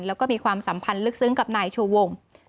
แล้วก็มีความสัมพันธ์ลึกซึ้งกับนายชูวง